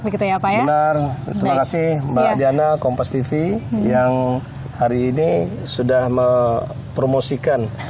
benar terima kasih mbak jana kompas tv yang hari ini sudah mempromosikan